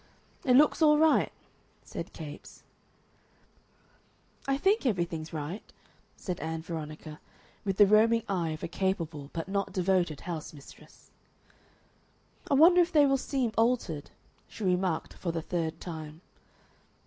"It looks all right," said Capes. "I think everything's right," said Ann Veronica, with the roaming eye of a capable but not devoted house mistress. "I wonder if they will seem altered," she remarked for the third time.